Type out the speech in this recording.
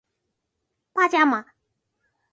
パジャマ